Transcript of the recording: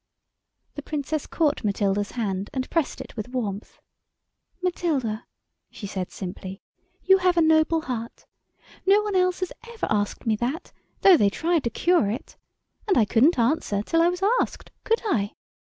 The Princess caught Matilda's hand and pressed it with warmth. "Matilda," she said simply, "you have a noble heart. No one else has ever asked me that, though they tried to cure it. And I couldn't answer till I was asked, could I?